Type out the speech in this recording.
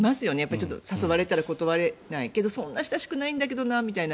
ちょっと誘われたら断れないけどそんな親しくないんだけどなみたいな。